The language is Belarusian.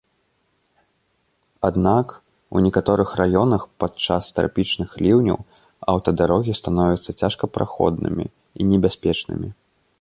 Аднак, у некаторых раёнах падчас трапічных ліўняў аўтадарогі становяцца цяжкапраходнымі і небяспечнымі.